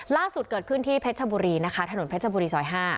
ล่าสุดเกิดขึ้นที่เพชรชบุรีนะคะถนนเพชรบุรีซอย๕